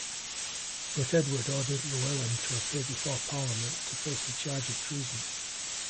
But Edward ordered Llywelyn to appear before Parliament to face the charge of treason.